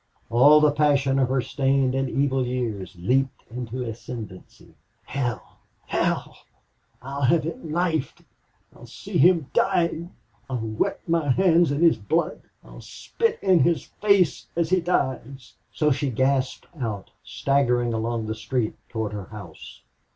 All the passion of her stained and evil years leaped into ascendency. "Hell hell! I'll have him knifed I'll see him dying! I'll wet my hands in his blood! I'll spit in his face as he dies!" So she gasped out, staggering along the street toward her house.